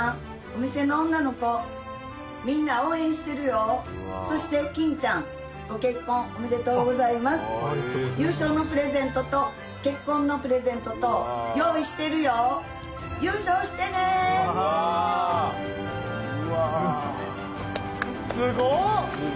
お店の女の子みんな応援してるよーそしてきんちゃんありがとうございます優勝のプレゼントと結婚のプレゼントと用意してるよーすごっす